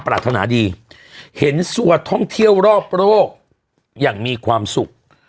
ปลาธนาดีเห็นท้องเที่ยวรอบโลกอย่างมีความสุข